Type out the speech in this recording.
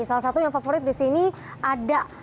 salah satu yang favorit di sini ada